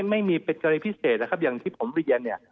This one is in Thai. ไม่มีเป็นกรณีพิเศษนะครับอย่างที่ผมเรียนเนี่ย